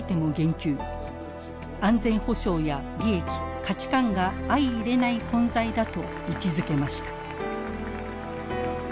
安全保障や利益価値観が相いれない存在だと位置づけました。